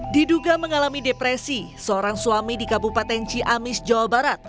diduga mengalami depresi seorang suami di kabupaten ciamis jawa barat